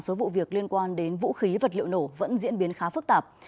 số vụ việc liên quan đến vũ khí vật liệu nổ vẫn diễn biến khá phức tạp